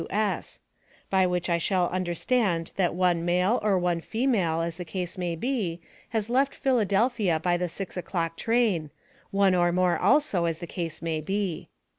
W.S." By which I shall understand that one Male, or one Female, as the case may be, has left Phila. by the 6 o'clock train one or more, also, as the case may be.